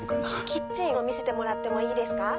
キッチンを見せてもらってもいいですか？